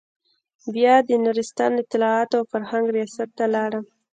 بيا د نورستان اطلاعاتو او فرهنګ رياست ته لاړم.